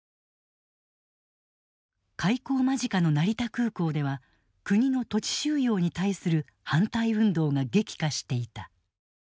開港間近の成田空港では国の土地収用に対する反対運動が激化していた。